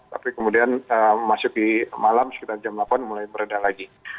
tapi kemudian masuk di malam sekitar jam delapan mulai meredah lagi